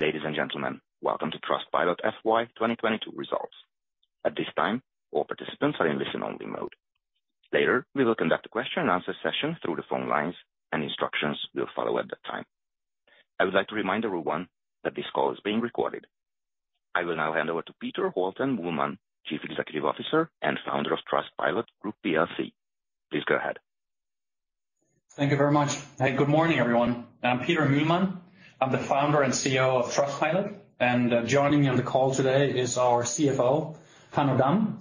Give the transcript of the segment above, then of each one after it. Ladies and gentlemen, welcome to Trustpilot FY 2022 Results. At this time, all participants are in listen-only mode. Later, we will conduct a question and answer session through the phone lines. Instructions will follow at that time. I would like to remind everyone that this call is being recorded. I will now hand over to Peter Holten Mühlmann, Chief Executive Officer and founder of Trustpilot Group PLC. Please go ahead. Thank you very much. Hey, good morning, everyone. I'm Peter Mühlmann. I'm the founder and CEO of Trustpilot, joining me on the call today is our CFO, Hanno Damm.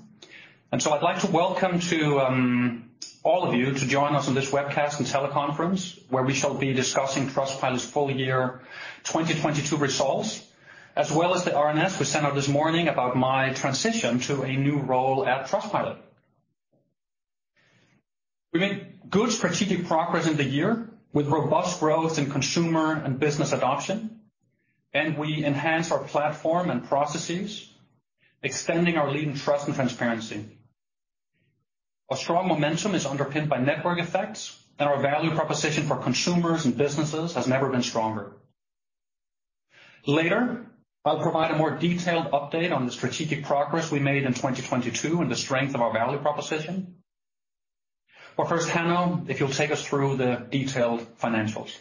I'd like to welcome to all of you to join us on this webcast and teleconference, where we shall be discussing Trustpilot's full year 2022 results, as well as the RNS we sent out this morning about my transition to a new role at Trustpilot. We made good strategic progress in the year with robust growth in consumer and business adoption, we enhanced our platform and processes, extending our leading trust and transparency. Our strong momentum is underpinned by network effects, our value proposition for consumers and businesses has never been stronger. Later, I'll provide a more detailed update on the strategic progress we made in 2022 and the strength of our value proposition. First, Hanno, if you'll take us through the detailed financials.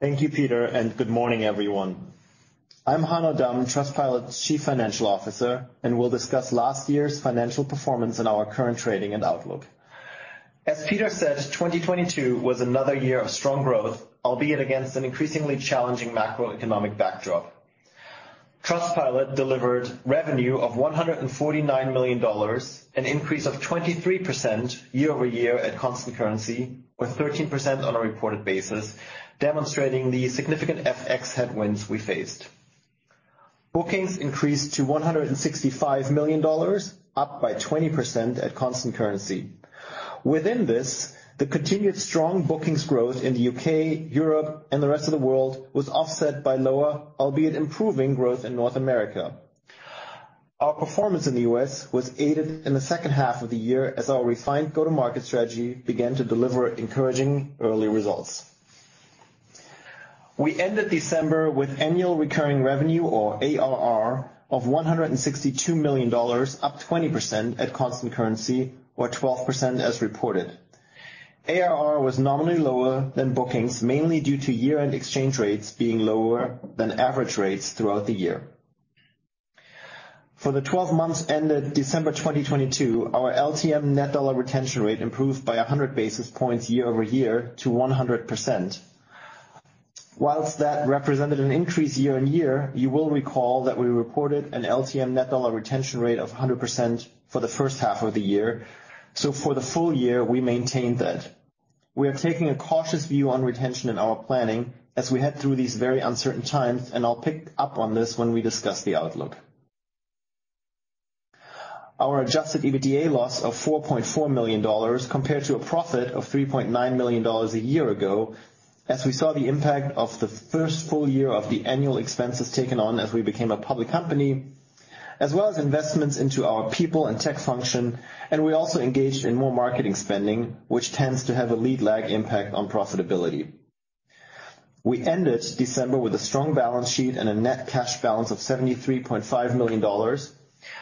Thank you, Peter, and good morning, everyone. I'm Hanno Damm, Trustpilot's Chief Financial Officer, and will discuss last year's financial performance and our current trading and outlook. As Peter said, 2022 was another year of strong growth, albeit against an increasingly challenging macroeconomic backdrop. Trustpilot delivered revenue of $149 million, an increase of 23% year-over-year at constant currency, with 13% on a reported basis, demonstrating the significant FX headwinds we faced. Bookings increased to $165 million, up by 20% at constant currency. Within this, the continued strong bookings growth in the U.K., Europe and the rest of the world was offset by lower, albeit improving growth in North America. Our performance in the U.S. was aided in the second half of the year as our refined go-to-market strategy began to deliver encouraging early results. We ended December with annual recurring revenue or ARR of $162 million, up 20% at constant currency or 12% as reported. ARR was nominally lower than bookings mainly due to year-end exchange rates being lower than average rates throughout the year. For the 12 months ended December 2022, our LTM net dollar retention rate improved by 100 basis points year over year to 100%. Whilst that represented an increase year on year, you will recall that we reported an LTM net dollar retention rate of 100% for the first half of the year. For the full year, we maintained that. We are taking a cautious view on retention in our planning as we head through these very uncertain times, and I'll pick up on this when we discuss the outlook. Our Adjusted EBITDA loss of $4.4 million compared to a profit of $3.9 million a year ago, as we saw the impact of the first full year of the annual expenses taken on as we became a public company, as well as investments into our people and tech function. We also engaged in more marketing spending, which tends to have a lead lag impact on profitability. We ended December with a strong balance sheet and a net cash balance of $73.5 million,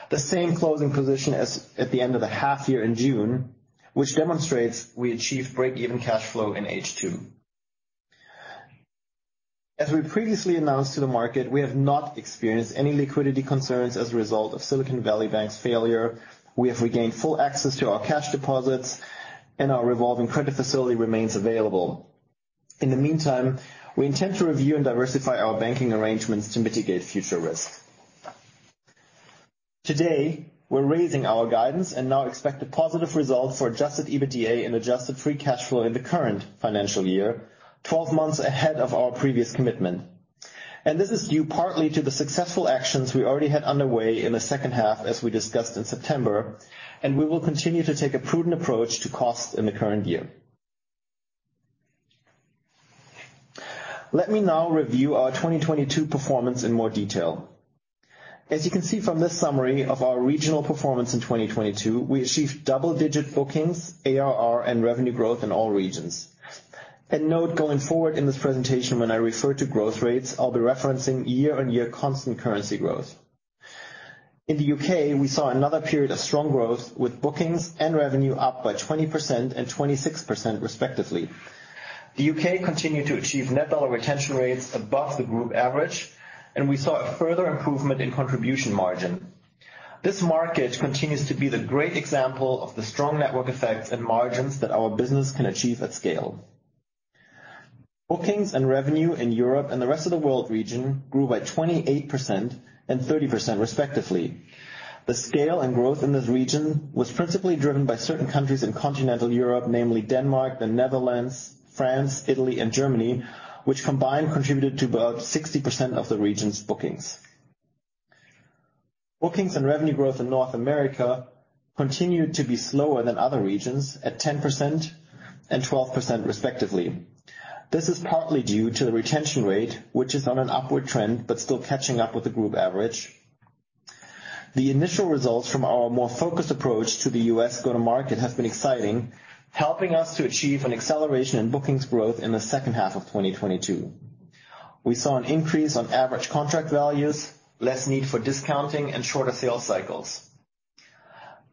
the same closing position as at the end of the half year in June, which demonstrates we achieved break-even cash flow in H2. As we previously announced to the market, we have not experienced any liquidity concerns as a result of Silicon Valley Bank's failure. We have regained full access to our cash deposits and our revolving credit facility remains available. In the meantime, we intend to review and diversify our banking arrangements to mitigate future risk. Today, we're raising our guidance and now expect a positive result for Adjusted EBITDA and adjusted free cash flow in the current financial year, 12 months ahead of our previous commitment. This is due partly to the successful actions we already had underway in the second half, as we discussed in September, and we will continue to take a prudent approach to cost in the current year. Let me now review our 2022 performance in more detail. As you can see from this summary of our regional performance in 2022, we achieved double-digit bookings, ARR and revenue growth in all regions. Note, going forward in this presentation, when I refer to growth rates, I'll be referencing year-on-year constant currency growth. In the U.K., we saw another period of strong growth with bookings and revenue up by 20% and 26% respectively. The U.K. continued to achieve net dollar retention rates above the group average, and we saw a further improvement in contribution margin. This market continues to be the great example of the strong network effects and margins that our business can achieve at scale. Bookings and revenue in Europe and the rest of the World region grew by 28% and 30% respectively. The scale and growth in this region was principally driven by certain countries in continental Europe, namely Denmark, the Netherlands, France, Italy and Germany, which combined contributed to about 60% of the region's bookings. Bookings and revenue growth in North America continued to be slower than other regions at 10% and 12% respectively. This is partly due to the retention rate, which is on an upward trend but still catching up with the group average. The initial results from our more focused approach to the US go-to-market has been exciting, helping us to achieve an acceleration in bookings growth in the second half of 2022. We saw an increase on average contract values, less need for discounting and shorter sales cycles.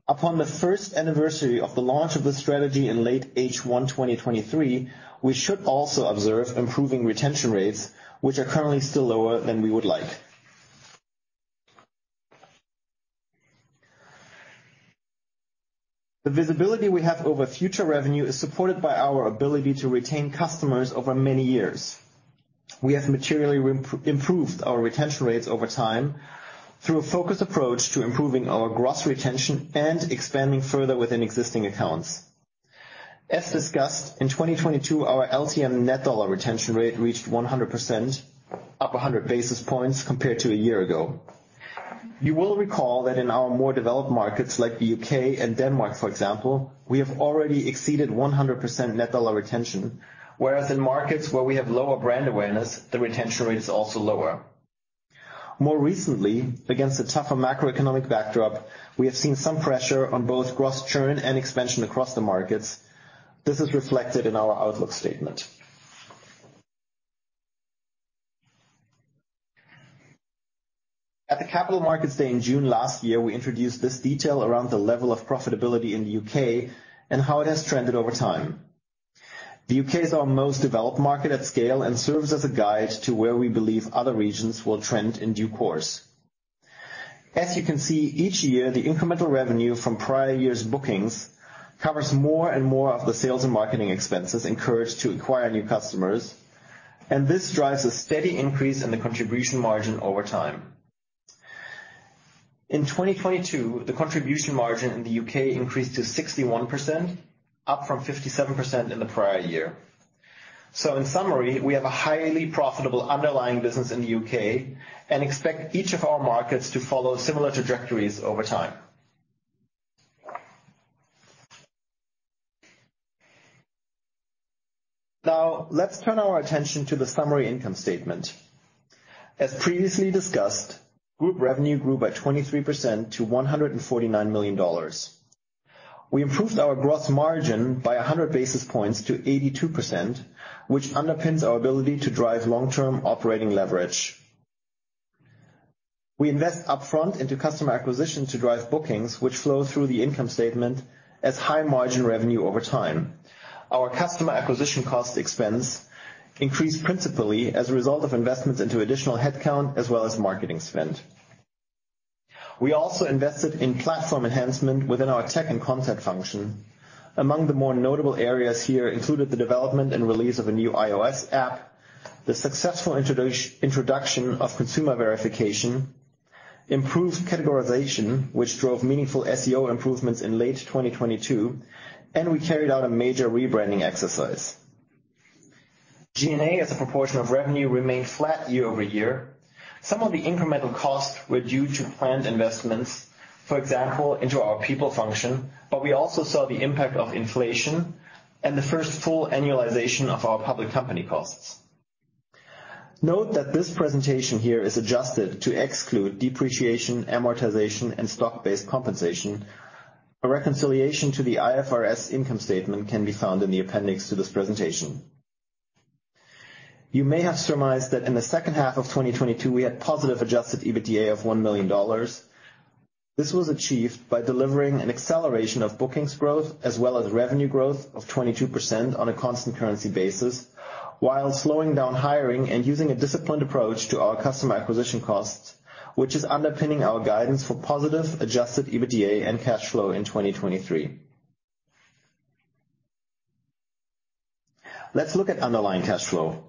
Upon the first anniversary of the launch of the strategy in late H1 2023, we should also observe improving retention rates, which are currently still lower than we would like. The visibility we have over future revenue is supported by our ability to retain customers over many years. We have materially improved our retention rates over time through a focused approach to improving our gross retention and expanding further within existing accounts. As discussed, in 2022, our LTM net dollar retention rate reached 100%, up 100 basis points compared to a year ago. You will recall that in our more developed markets like the U.K. and Denmark, for example, we have already exceeded 100% net dollar retention, whereas in markets where we have lower brand awareness, the retention rate is also lower. More recently, against a tougher macroeconomic backdrop, we have seen some pressure on both gross churn and expansion across the markets. This is reflected in our outlook statement. At the Capital Markets Day in June last year, we introduced this detail around the level of profitability in the U.K. and how it has trended over time. The UK is our most developed market at scale and serves as a guide to where we believe other regions will trend in due course. As you can see, each year, the incremental revenue from prior years' bookings covers more and more of the sales and marketing expenses incurred to acquire new customers, and this drives a steady increase in the contribution margin over time. In 2022, the contribution margin in the UK increased to 61%, up from 57% in the prior year. In summary, we have a highly profitable underlying business in the UK and expect each of our markets to follow similar trajectories over time. Let's turn our attention to the summary income statement. As previously discussed, group revenue grew by 23% to $149 million. We improved our gross margin by 100 basis points to 82%, which underpins our ability to drive long-term operating leverage. We invest upfront into customer acquisition to drive bookings, which flow through the income statement as high margin revenue over time. Our customer acquisition cost expense increased principally as a result of investments into additional headcount as well as marketing spend. We also invested in platform enhancement within our tech and content function. Among the more notable areas here included the development and release of a new iOS app, the successful introduction of Consumer Verification, improved categorization, which drove meaningful SEO improvements in late 2022. We carried out a major rebranding exercise. G&A, as a proportion of revenue, remained flat year-over-year. Some of the incremental costs were due to planned investments, for example, into our people function, but we also saw the impact of inflation and the first full annualization of our public company costs. Note that this presentation here is adjusted to exclude depreciation, amortization, and stock-based compensation. A reconciliation to the IFRS income statement can be found in the appendix to this presentation. You may have surmised that in the second half of 2022, we had positive Adjusted EBITDA of $1 million. This was achieved by delivering an acceleration of bookings growth, as well as revenue growth of 22% on a constant currency basis, while slowing down hiring and using a disciplined approach to our customer acquisition costs, which is underpinning our guidance for positive Adjusted EBITDA and cash flow in 2023. Let's look at underlying cash flow.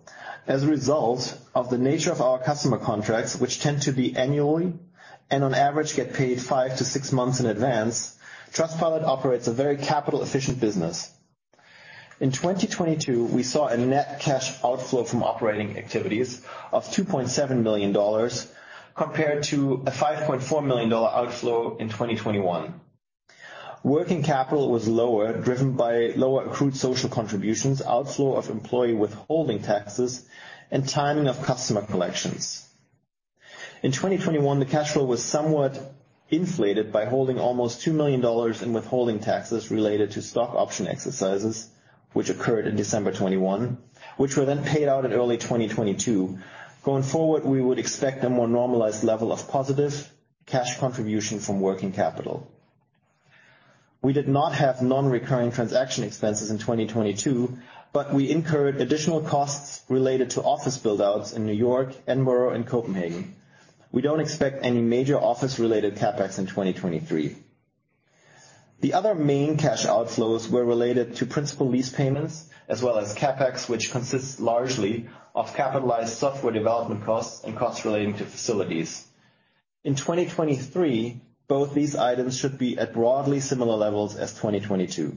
As a result of the nature of our customer contracts, which tend to be annually, and on average, get paid five to six months in advance, Trustpilot operates a very capital-efficient business. In 2022, we saw a net cash outflow from operating activities of $2.7 million compared to a $5.4 million outflow in 2021. Working capital was lower, driven by lower accrued social contributions, outflow of employee withholding taxes, and timing of customer collections. In 2021, the cash flow was somewhat inflated by holding almost $2 million in withholding taxes related to stock option exercises, which occurred in December 2021, which were then paid out in early 2022. Going forward, we would expect a more normalized level of positive cash contribution from working capital. We did not have non-recurring transaction expenses in 2022, but we incurred additional costs related to office build-outs in New York, Edinburgh, and Copenhagen. We don't expect any major office-related CapEx in 2023. The other main cash outflows were related to principal lease payments as well as CapEx, which consists largely of capitalized software development costs and costs relating to facilities. In 2023, both these items should be at broadly similar levels as 2022.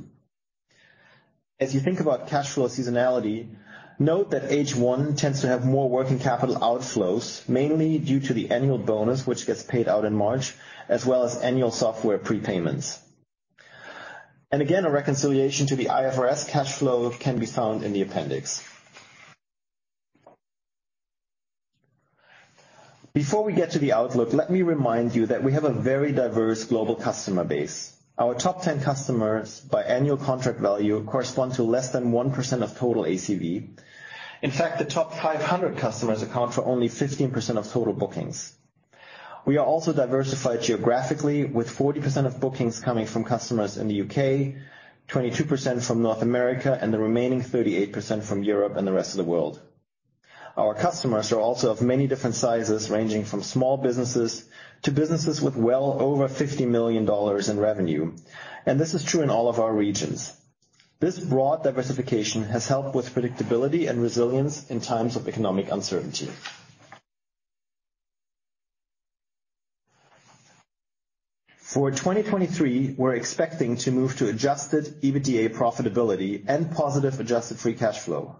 As you think about cash flow seasonality, note that H one tends to have more working capital outflows, mainly due to the annual bonus, which gets paid out in March, as well as annual software prepayments. Again, a reconciliation to the IFRS cash flow can be found in the appendix. Before we get to the outlook, let me remind you that we have a very diverse global customer base. Our top 10 customers by annual contract value correspond to less than 1% of total ACV. In fact, the top 500 customers account for only 15% of total bookings. We are also diversified geographically, with 40% of bookings coming from customers in the UK, 22% from North America, and the remaining 38% from Europe and the rest of the world. Our customers are also of many different sizes, ranging from small businesses to businesses with well over $50 million in revenue. This is true in all of our regions. This broad diversification has helped with predictability and resilience in times of economic uncertainty. For 2023, we're expecting to move to Adjusted EBITDA profitability and positive adjusted free cash flow.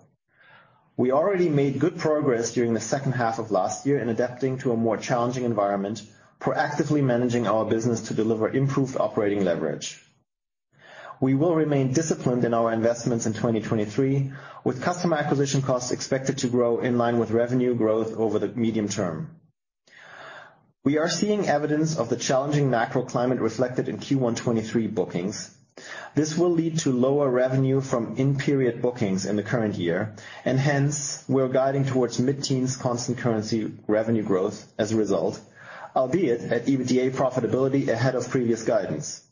We already made good progress during the second half of last year in adapting to a more challenging environment, proactively managing our business to deliver improved operating leverage. We will remain disciplined in our investments in 2023, with customer acquisition costs expected to grow in line with revenue growth over the medium term. We are seeing evidence of the challenging macro climate reflected in Q1 2023 bookings. This will lead to lower revenue from in-period bookings in the current year, and hence we're guiding towards mid-teens constant currency revenue growth as a result, albeit at EBITDA profitability ahead of previous guidance.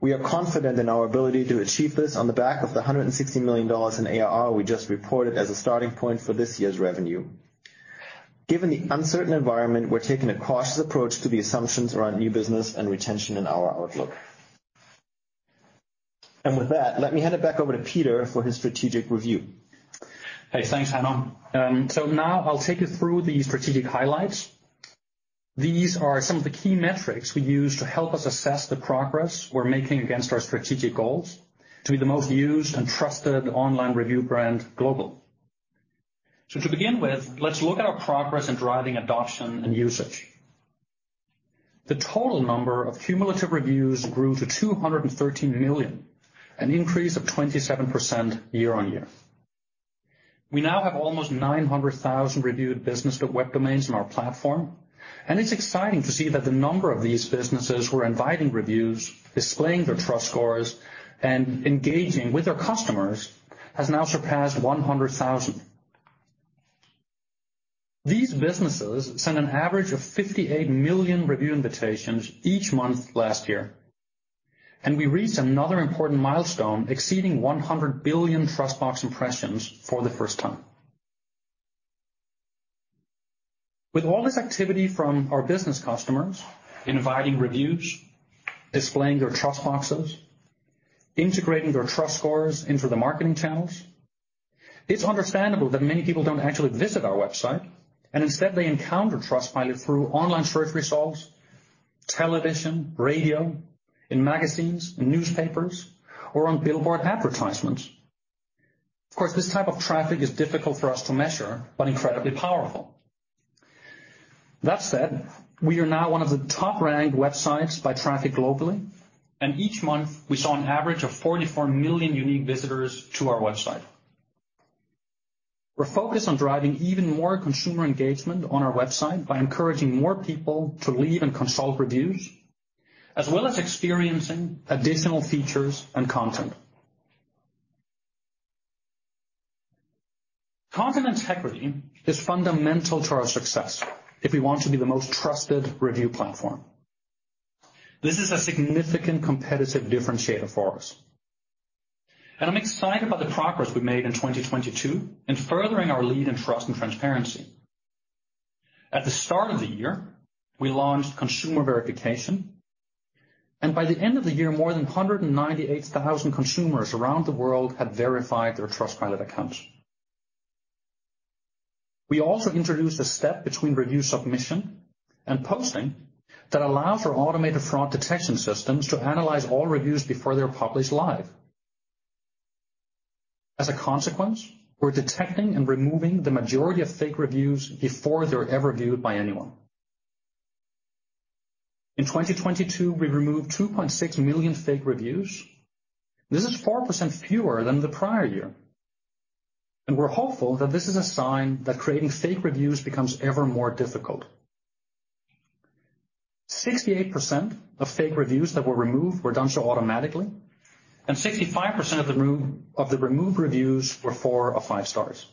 We are confident in our ability to achieve this on the back of the $160 million in ARR we just reported as a starting point for this year's revenue. Given the uncertain environment, we're taking a cautious approach to the assumptions around new business and retention in our outlook. With that, let me hand it back over to Peter for his strategic review. Hey, thanks, Hanno. Now I'll take you through the strategic highlights. These are some of the key metrics we use to help us assess the progress we're making against our strategic goals to be the most used and trusted online review brand globally. To begin with, let's look at our progress in driving adoption and usage. The total number of cumulative reviews grew to 213 million, an increase of 27% year-on-year. We now have almost 900,000 reviewed business web domains on our platform, and it's exciting to see that the number of these businesses who are inviting reviews, displaying their TrustScores, and engaging with their customers has now surpassed 100,000. These businesses sent an average of 58 million review invitations each month last year, and we reached another important milestone, exceeding 100 billion TrustBox impressions for the first time. With all this activity from our business customers inviting reviews, displaying their TrustBoxes, integrating their TrustScores into the marketing channels, it's understandable that many people don't actually visit our website and instead they encounter Trustpilot through online search results, television, radio, in magazines, newspapers, or on billboard advertisements. Of course, this type of traffic is difficult for us to measure, but incredibly powerful. That said, we are now one of the top ranked websites by traffic globally, and each month we saw an average of 44 million unique visitors to our website. We're focused on driving even more consumer engagement on our website by encouraging more people to leave and consult reviews, as well as experiencing additional features and content. Content integrity is fundamental to our success if we want to be the most trusted review platform. This is a significant competitive differentiator for us. I'm excited about the progress we made in 2022 in furthering our lead in trust and transparency. At the start of the year, we launched Consumer Verification. By the end of the year, more than 198,000 consumers around the world had verified their Trustpilot accounts. We also introduced a step between review submission and posting that allows our automated fraud detection systems to analyze all reviews before they're published live. As a consequence, we're detecting and removing the majority of fake reviews before they're ever viewed by anyone. In 2022, we removed 2.6 million fake reviews. This is 4% fewer than the prior year. We're hopeful that this is a sign that creating fake reviews becomes ever more difficult. 68% of fake reviews that were removed were done so automatically, and 65% of the removed reviews were four or five stars.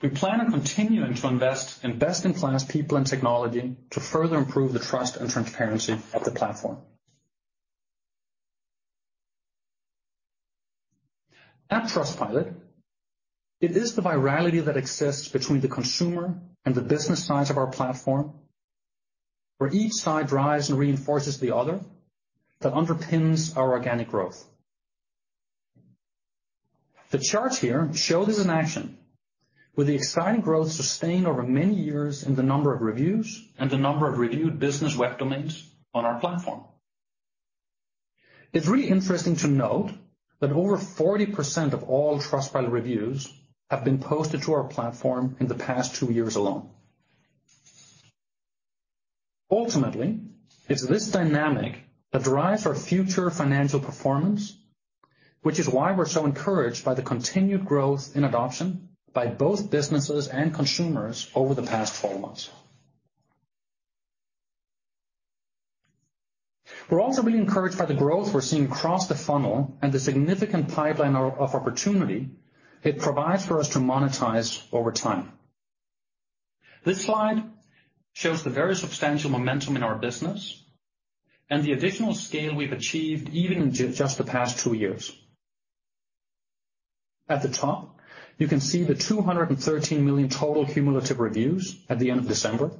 We plan on continuing to invest in best-in-class people and technology to further improve the trust and transparency of the platform. At Trustpilot, it is the virality that exists between the consumer and the business sides of our platform, where each side drives and reinforces the other, that underpins our organic growth. The charts here show this in action with the exciting growth sustained over many years in the number of reviews and the number of reviewed business web domains on our platform. It's really interesting to note that over 40% of all Trustpilot reviews have been posted to our platform in the past two years alone. Ultimately, it's this dynamic that drives our future financial performance, which is why we're so encouraged by the continued growth in adoption by both businesses and consumers over the past 12 months. We're also really encouraged by the growth we're seeing across the funnel and the significant pipeline of opportunity it provides for us to monetize over time. This slide shows the very substantial momentum in our business and the additional scale we've achieved even in just the past two years. At the top, you can see the 213 million total cumulative reviews at the end of December.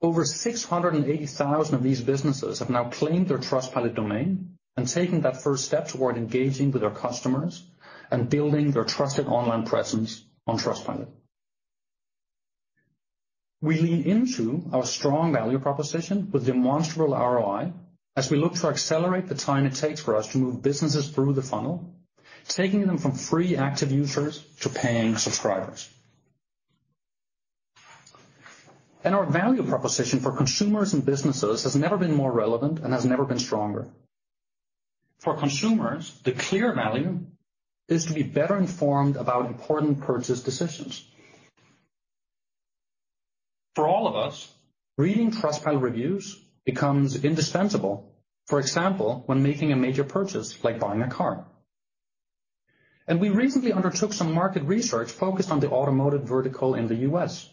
Over 680,000 of these businesses have now claimed their Trustpilot domain and taken that first step toward engaging with their customers and building their trusted online presence on Trustpilot. We lean into our strong value proposition with demonstrable ROI as we look to accelerate the time it takes for us to move businesses through the funnel, taking them from free active users to paying subscribers. Our value proposition for consumers and businesses has never been more relevant and has never been stronger. For consumers, the clear value is to be better informed about important purchase decisions. For all of us, reading Trustpilot reviews becomes indispensable, for example, when making a major purchase, like buying a car. We recently undertook some market research focused on the automotive vertical in the U.S.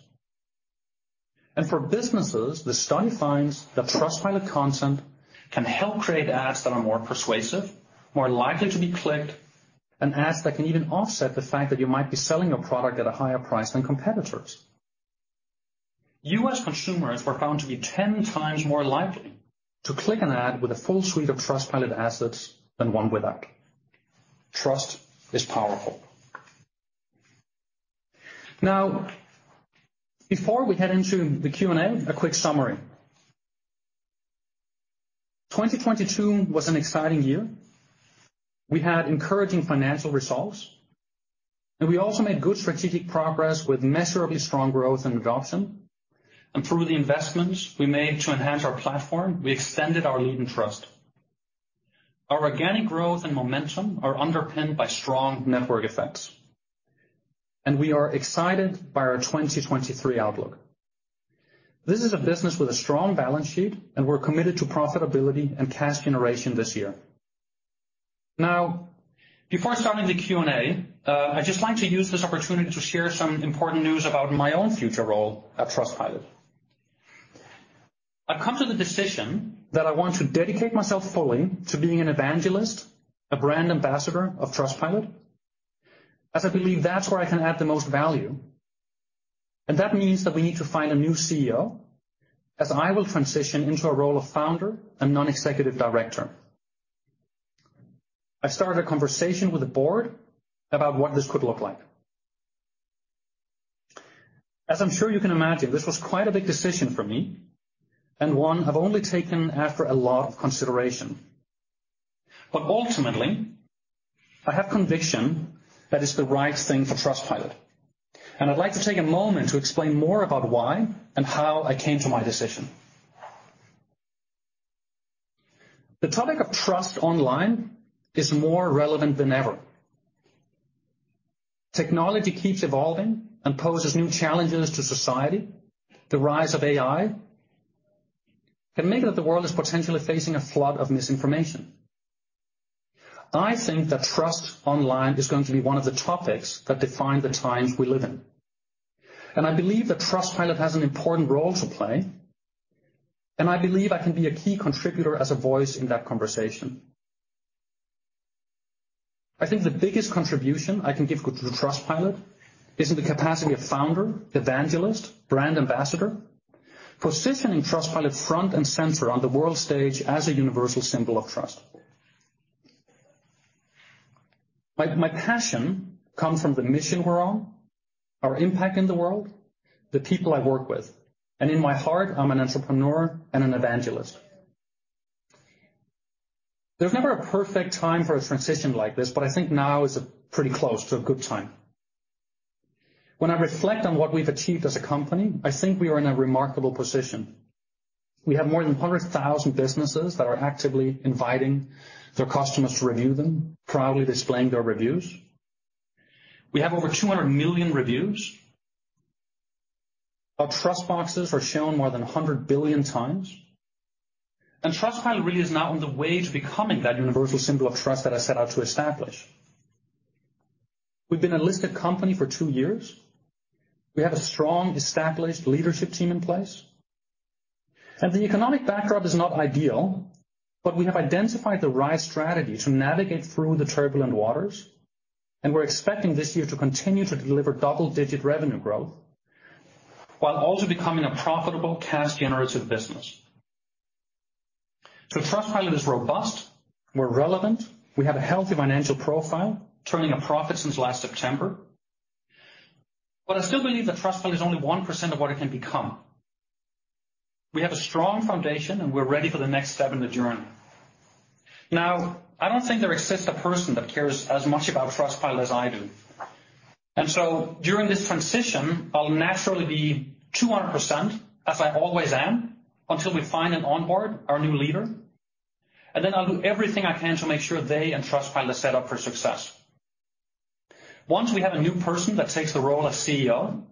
For businesses, the study finds that Trustpilot consent can help create ads that are more persuasive, more likely to be clicked, and ads that can even offset the fact that you might be selling a product at a higher price than competitors. U.S. consumers were found to be 10 times more likely to click an ad with a full suite of Trustpilot assets than one without. Trust is powerful. Now, before we head into the Q&A, a quick summary. 2022 was an exciting year. We had encouraging financial results, and we also made good strategic progress with measurably strong growth and adoption. Through the investments we made to enhance our platform, we extended our leading trust. Our organic growth and momentum are underpinned by strong network effects. We are excited by our 2023 outlook. This is a business with a strong balance sheet, we're committed to profitability and cash generation this year. Now, before starting the Q&A, I'd just like to use this opportunity to share some important news about my own future role at Trustpilot. I've come to the decision that I want to dedicate myself fully to being an evangelist, a brand ambassador of Trustpilot, as I believe that's where I can add the most value. That means that we need to find a new CEO as I will transition into a role of founder and non-executive director. I started a conversation with the board about what this could look like. I'm sure you can imagine, this was quite a big decision for me and one I've only taken after a lot of consideration. Ultimately, I have conviction that it's the right thing for Trustpilot. I'd like to take a moment to explain more about why and how I came to my decision. The topic of trust online is more relevant than ever. Technology keeps evolving and poses new challenges to society. The rise of AI can mean that the world is potentially facing a flood of misinformation. I think that trust online is going to be one of the topics that define the times we live in. I believe that Trustpilot has an important role to play, and I believe I can be a key contributor as a voice in that conversation. I think the biggest contribution I can give to the Trustpilot is in the capacity of founder, evangelist, brand ambassador, positioning Trustpilot front and center on the world stage as a universal symbol of trust. My passion comes from the mission we're on, our impact in the world, the people I work with. In my heart, I'm an entrepreneur and an evangelist. There's never a perfect time for a transition like this, but I think now is pretty close to a good time. When I reflect on what we've achieved as a company, I think we are in a remarkable position. We have more than 100,000 businesses that are actively inviting their customers to review them, proudly displaying their reviews. We have over 200 million reviews. Our TrustBoxes are shown more than 100 billion times. Trustpilot really is now on the way to becoming that universal symbol of trust that I set out to establish. We've been a listed company for two years. We have a strong, established leadership team in place. The economic backdrop is not ideal, but we have identified the right strategy to navigate through the turbulent waters, and we're expecting this year to continue to deliver double-digit revenue growth while also becoming a profitable cash generative business. Trustpilot is robust. We're relevant. We have a healthy financial profile, turning a profit since last September. I still believe that Trustpilot is only 1% of what it can become. We have a strong foundation, and we're ready for the next step in the journey. I don't think there exists a person that cares as much about Trustpilot as I do. During this transition, I'll naturally be 200%, as I always am, until we find and onboard our new leader, and then I'll do everything I can to make sure they and Trustpilot are set up for success. Once we have a new person that takes the role of CEO,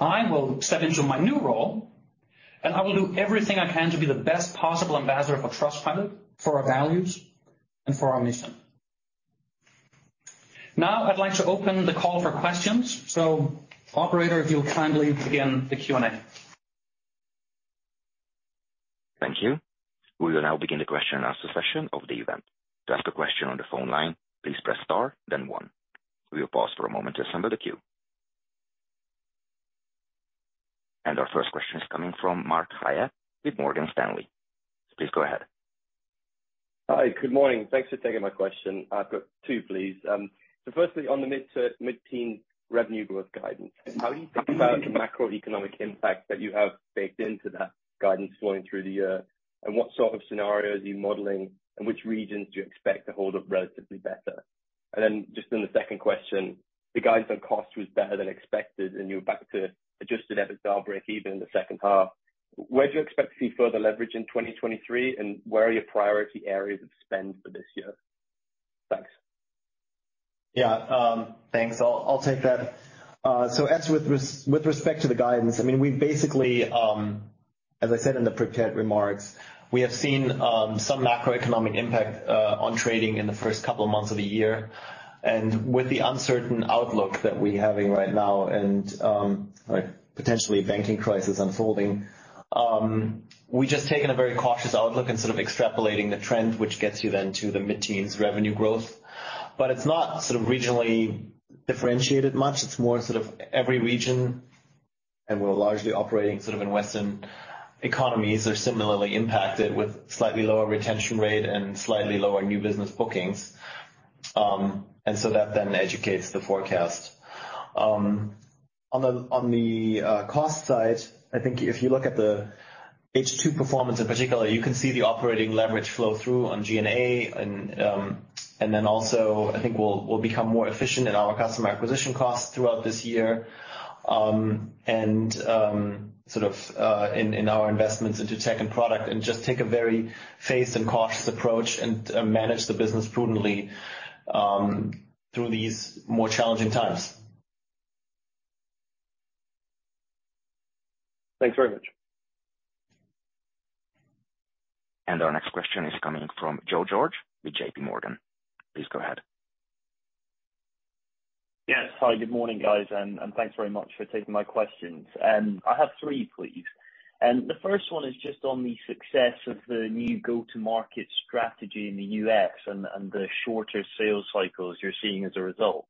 I will step into my new role, and I will do everything I can to be the best possible ambassador for Trustpilot, for our values, and for our mission. I'd like to open the call for questions. Operator, if you'll kindly begin the Q&A. Thank you. We will now begin the question and answer session of the event. To ask a question on the phone line, please press star one. We will pause for a moment to assemble the queue. Our first question is coming from Mark Hyatt with Morgan Stanley. Please go ahead. Hi. Good morning. Thanks for taking my question. I've got two, please. Firstly, on the mid- to mid-teen revenue growth guidance, how are you thinking about the macroeconomic impact that you have baked into that guidance flowing through the year, and what sort of scenarios are you modeling, and which regions do you expect to hold up relatively better? Just in the second question, the guidance on cost was better than expected, and you're back to Adjusted EBITDA break even in the second half. Where do you expect to see further leverage in 2023, and where are your priority areas of spend for this year? Thanks. Yeah. Thanks. I'll take that. As with respect to the guidance, I mean, we basically, as I said in the prepared remarks, we have seen some macroeconomic impact on trading in the first couple of months of the year. With the uncertain outlook that we're having right now and a potentially banking crisis unfolding, we've just taken a very cautious outlook in sort of extrapolating the trend which gets you then to the mid-teens revenue growth. It's not sort of regionally differentiated much. It's more sort of every region, and we're largely operating sort of in Western economies, are similarly impacted with slightly lower retention rate and slightly lower new business bookings. That then educates the forecast. On the cost side, I think if you look at the H2 performance in particular, you can see the operating leverage flow through on G&A and then also I think we'll become more efficient in our customer acquisition costs throughout this year, and sort of in our investments into tech and product and just take a very phased and cautious approach and manage the business prudently through these more challenging times. Thanks very much. Our next question is coming from Joe George with JP Morgan. Please go ahead. Yes. Hi, good morning, guys, and thanks very much for taking my questions. I have three, please. The first one is just on the success of the new go-to-market strategy in the US and the shorter sales cycles you're seeing as a result.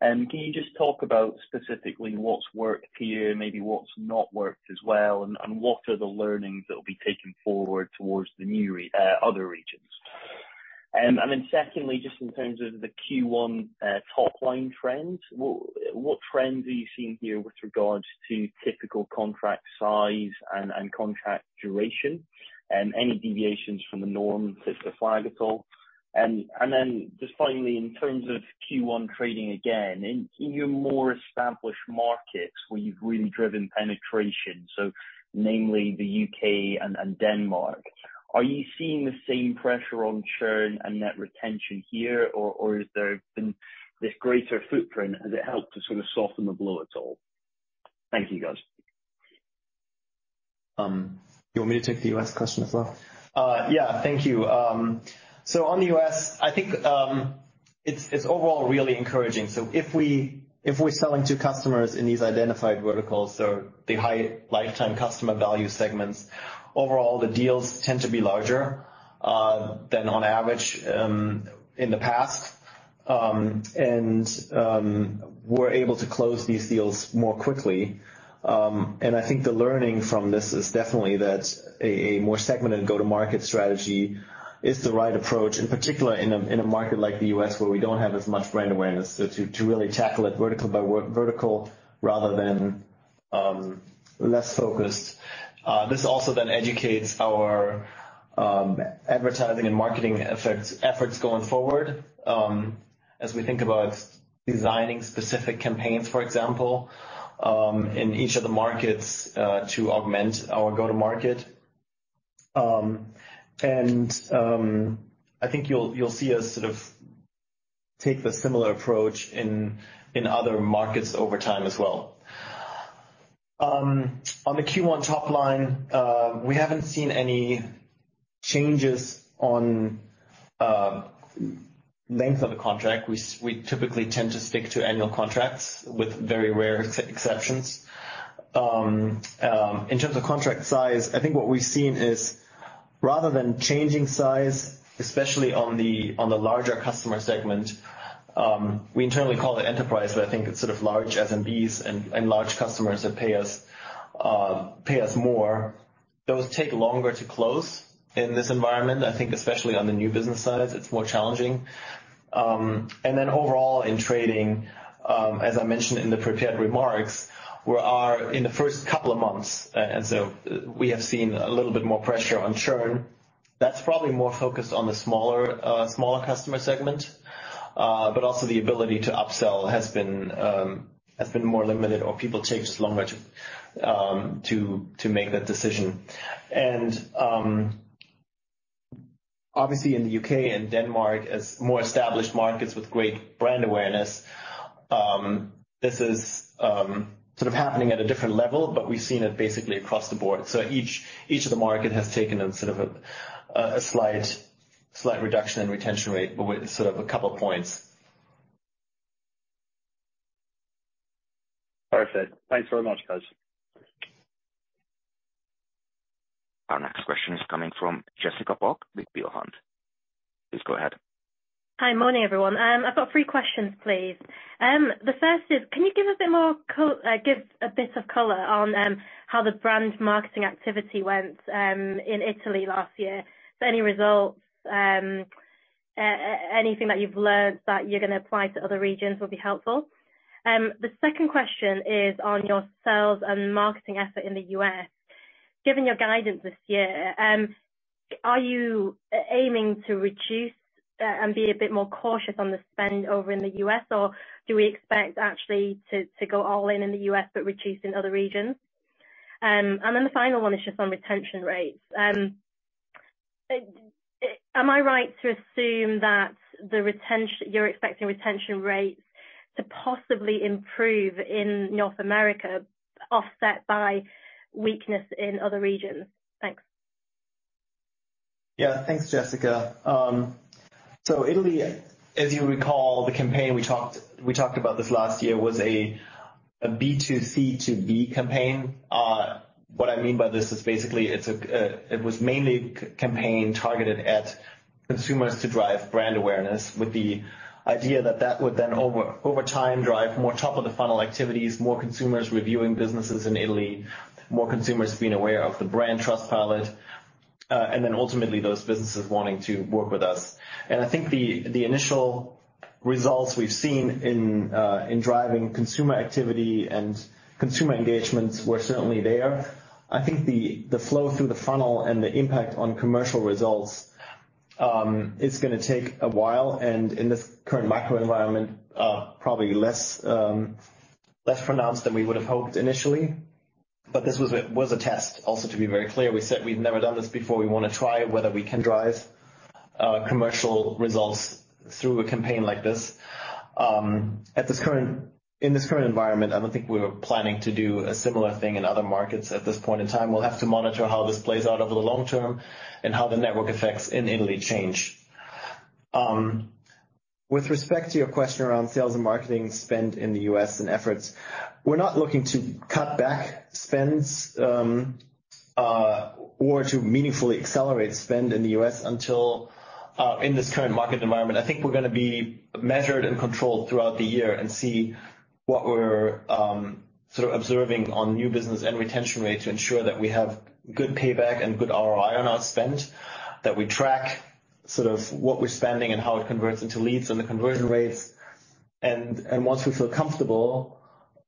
Can you just talk about specifically what's worked for you, maybe what's not worked as well, and what are the learnings that will be taken forward towards the new other regions? Then secondly, just in terms of the Q1, top line trends, what trends are you seeing here with regards to typical contract size and contract duration? Any deviations from the norm fit to flag at all? Just finally, in terms of Q1 trading again, in your more established markets where you've really driven penetration, so namely the U.K. and Denmark, are you seeing the same pressure on churn and net retention here, or has there been this greater footprint, has it helped to sort of soften the blow at all? Thank you, guys. You want me to take the U.S. question as well? Yeah. Thank you. On the U.S., I think, it's overall really encouraging. If we're selling to customers in these identified verticals, so the high lifetime customer value segments, overall, the deals tend to be larger, than on average, in the past. We're able to close these deals more quickly. I think the learning from this is definitely that a more segmented go-to-market strategy is the right approach, in particular in a market like the U.S. where we don't have as much brand awareness to really tackle it vertical by vertical rather than, less focused. This also then educates our advertising and marketing efforts going forward, as we think about designing specific campaigns, for example, in each of the markets, to augment our go-to-market. I think you'll see us sort of take the similar approach in other markets over time as well. On the Q1 top line, we haven't seen any changes on length of the contract. We typically tend to stick to annual contracts with very rare exceptions. In terms of contract size, I think what we've seen is rather than changing size, especially on the, on the larger customer segment, we internally call it enterprise, but I think it's sort of large SMBs and large customers that pay us more. Those take longer to close in this environment. I think especially on the new business side, it's more challenging. Overall in trading, as I mentioned in the prepared remarks, we are in the first couple of months, we have seen a little bit more pressure on churn. That's probably more focused on the smaller customer segment, but also the ability to upsell has been more limited or people take just longer to make that decision. Obviously in the UK and Denmark, as more established markets with great brand awareness, this is sort of happening at a different level, but we've seen it basically across the board. Each of the market has taken a sort of a slight reduction in retention rate with sort of a couple points. Perfect. Thanks very much, guys. Our next question is coming from Jessica Buck with Berenberg. Please go ahead. Hi. Morning, everyone. I've got three questions, please. The first is, can you give a bit more give a bit of color on how the brand marketing activity went in Italy last year? Any results, anything that you've learned that you're gonna apply to other regions would be helpful. The second question is on your sales and marketing effort in the U.S. Given your guidance this year, are you aiming to reduce and be a bit more cautious on the spend over in the U.S., or do we expect actually to go all in in the U.S., but reduce in other regions? The final one is just on retention rates. Am I right to assume that you're expecting retention rates to possibly improve in North America, offset by weakness in other regions? Thanks. Thanks, Jessica. Italy, as you recall, the campaign we talked about this last year was a B2C to B campaign. What I mean by this is basically it's, it was mainly campaign targeted at consumers to drive brand awareness with the idea that that would then over time, drive more top of the funnel activities, more consumers reviewing businesses in Italy, more consumers being aware of the brand Trustpilot, then ultimately those businesses wanting to work with us. I think the initial results we've seen in driving consumer activity and consumer engagements were certainly there. I think the flow through the funnel and the impact on commercial results is gonna take a while, and in this current macro environment, probably less, less pronounced than we would have hoped initially. This was a test also, to be very clear. We said we've never done this before. We wanna try whether we can drive commercial results through a campaign like this. In this current environment, I don't think we were planning to do a similar thing in other markets at this point in time. We'll have to monitor how this plays out over the long term and how the network effects in Italy change. With respect to your question around sales and marketing spend in the US and efforts, we're not looking to cut back spends or to meaningfully accelerate spend in the US until in this current market environment. I think we're gonna be measured and controlled throughout the year and see what we're sort of observing on new business and retention rates to ensure that we have good payback and good ROI on our spend, that we track sort of what we're spending and how it converts into leads and the conversion rates. Once we feel comfortable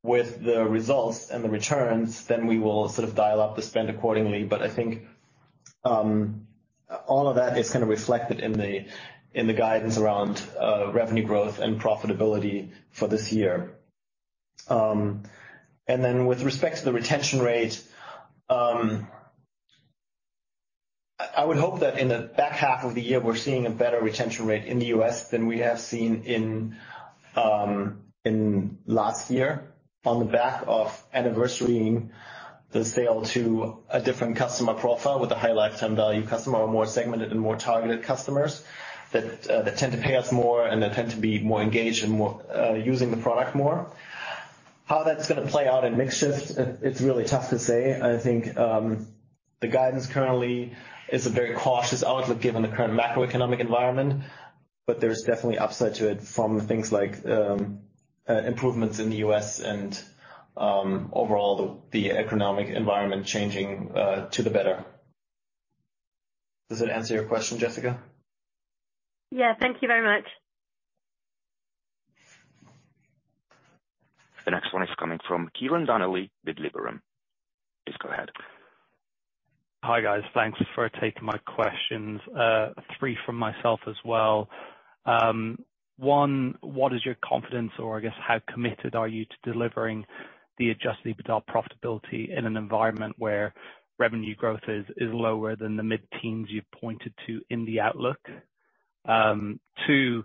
with the results and the returns, then we will sort of dial up the spend accordingly. I think all of that is kind of reflected in the guidance around revenue growth and profitability for this year. With respect to the retention rate, I would hope that in the back half of the year, we're seeing a better retention rate in the US than we have seen in last year on the back of anniversarying the sale to a different customer profile with a high lifetime value customer, a more segmented and more targeted customers that tend to pay us more and that tend to be more engaged and more using the product more. How that's gonna play out in mix shift, it's really tough to say. I think, the guidance currently is a very cautious outlook given the current macroeconomic environment, there's definitely upside to it from things like improvements in the US and overall the economic environment changing to the better. Does that answer your question, Jessica? Yeah. Thank you very much. The next one is coming from Kieran Donnelly with Liberum. Please go ahead. Hi, guys. Thanks for taking my questions. three from myself as well. One, what is your confidence or I guess how committed are you to delivering the Adjusted EBITDA profitability in an environment where revenue growth is lower than the mid-teens you've pointed to in the outlook? two,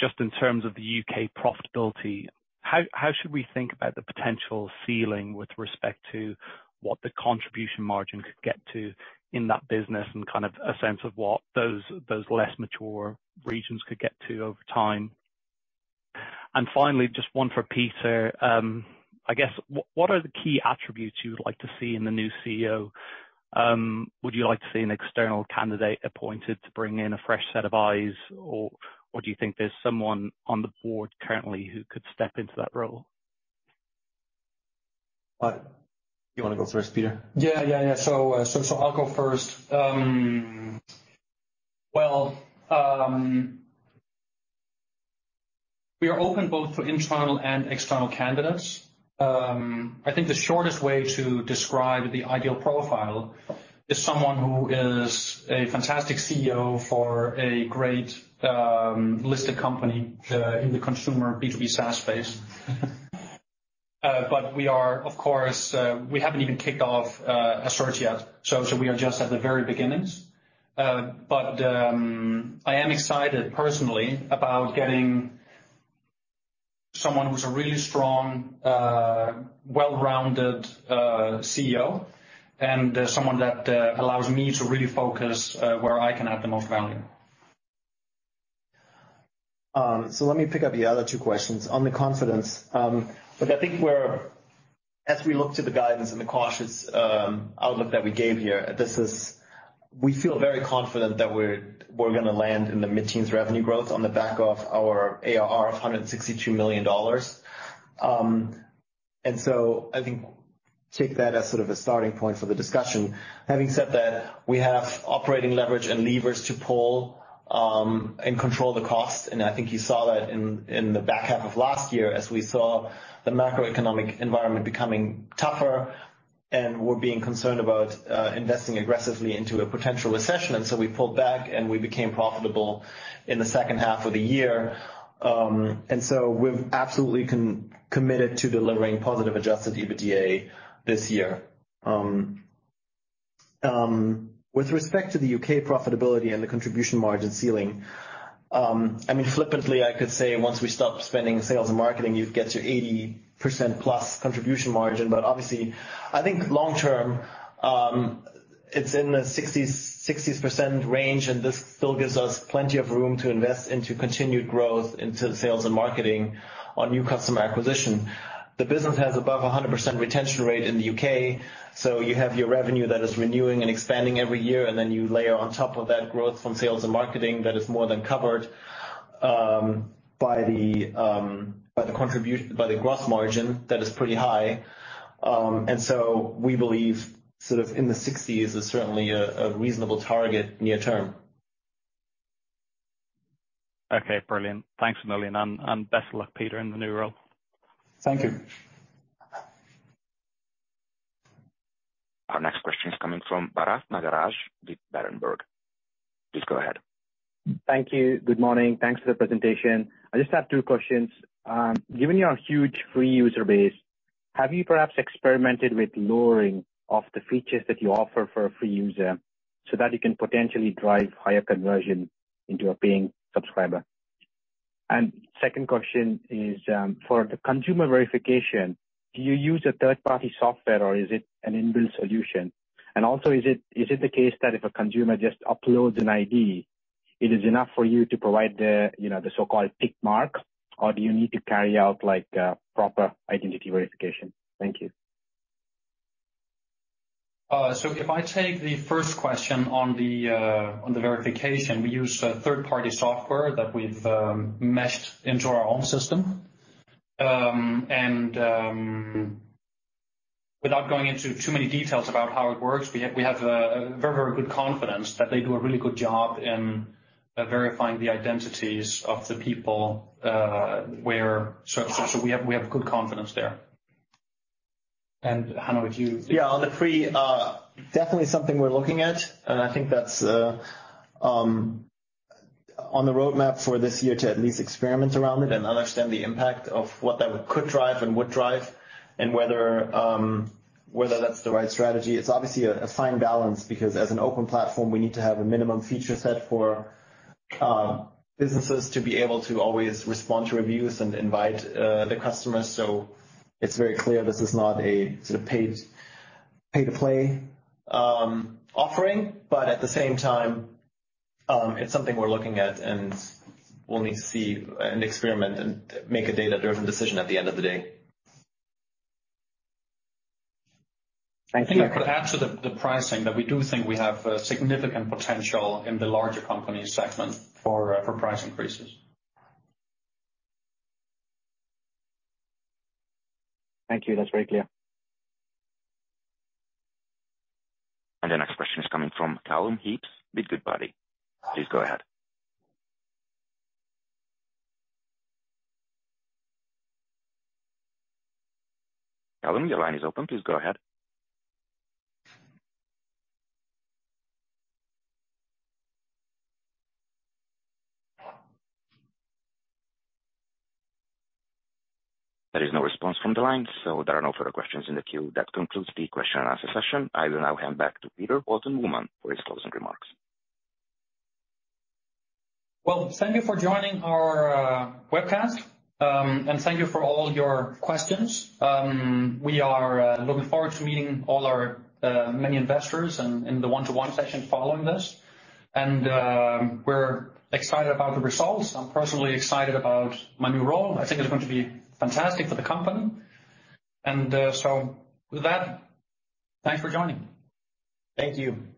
just in terms of the U.K. profitability, how should we think about the potential ceiling with respect to what the contribution margin could get to in that business and kind of a sense of what those less mature regions could get to over time? Finally, just one for Peter. I guess what are the key attributes you would like to see in the new CEO? Would you like to see an external candidate appointed to bring in a fresh set of eyes, or do you think there's someone on the board currently who could step into that role? You wanna go first, Peter? Yeah, yeah. I'll go first. Well, we are open both for internal and external candidates. I think the shortest way to describe the ideal profile is someone who is a fantastic CEO for a great listed company in the consumer B2B SaaS space. We are of course, we haven't even kicked off a search yet, so we are just at the very beginnings. I am excited personally about getting someone who's a really strong, well-rounded CEO and someone that allows me to really focus where I can add the most value. Let me pick up the other two questions. On the confidence, look, I think as we look to the guidance and the cautious outlook that we gave here, we feel very confident that we're gonna land in the mid-teens revenue growth on the back of our ARR of $162 million. I think take that as sort of a starting point for the discussion. Having said that, we have operating leverage and levers to pull and control the cost, and I think you saw that in the back half of last year as we saw the macroeconomic environment becoming tougher, and we're being concerned about investing aggressively into a potential recession. We pulled back, and we became profitable in the second half of the year. We're absolutely committed to delivering positive Adjusted EBITDA this year. With respect to the UK profitability and the contribution margin ceiling, I mean, flippantly, I could say once we stop spending sales and marketing, you'd get to 80% plus contribution margin. Obviously, I think long term, it's in the 60% range, and this still gives us plenty of room to invest into continued growth into the sales and marketing on new customer acquisition. The business has above a 100% retention rate in the UK, so you have your revenue that is renewing and expanding every year, and then you layer on top of that growth from sales and marketing that is more than covered by the by the gross margin that is pretty high. We believe sort of in the sixties is certainly a reasonable target near term. Okay, brilliant. Thanks a million. Best of luck, Peter, in the new role. Thank you. Our next question is coming from Bharath Nagaraj with Berenberg. Please go ahead. Thank you. Good morning. Thanks for the presentation. I just have two questions. Given your huge free user base, have you perhaps experimented with lowering of the features that you offer for a free user so that you can potentially drive higher conversion into a paying subscriber? Second question is, for the Consumer Verification, do you use a third-party software, or is it an in-built solution? Also, is it the case that if a consumer just uploads an ID, it is enough for you to provide the, you know, the so-called tick mark, or do you need to carry out like a proper identity verification? Thank you. If I take the first question on the verification, we use a third-party software that we've meshed into our own system. Without going into too many details about how it works, we have a very good confidence that they do a really good job in verifying the identities of the people. We have good confidence there. Hanno, would you. Yeah. On the free, definitely something we're looking at. I think that's on the roadmap for this year to at least experiment around it and understand the impact of what that could drive and would drive and whether that's the right strategy. It's obviously a fine balance because as an open platform, we need to have a minimum feature set for businesses to be able to always respond to reviews and invite the customers. It's very clear this is not a sort of paid, pay-to-play offering. At the same time, it's something we're looking at, and we'll need to see and experiment and make a data-driven decision at the end of the day. Thank you. I think I could add to the pricing that we do think we have significant potential in the larger company segment for price increases. Thank you. That's very clear. The next question is coming from Callum Heaps with Goodbody. Please go ahead. Callum, your line is open. Please go ahead. There is no response from the line, there are no further questions in the queue. That concludes the question and answer session. I will now hand back to Peter Holten Mühlmann for his closing remarks. Well, thank you for joining our webcast and thank you for all your questions. We are looking forward to meeting all our many investors in the one-to-one session following this. We're excited about the results. I'm personally excited about my new role. I think it's going to be fantastic for the company. With that, thanks for joining. Thank you.